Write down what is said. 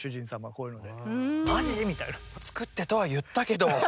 こういうのをね作ってとは言ったけど！